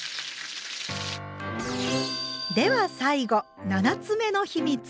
では最後７つ目の秘密。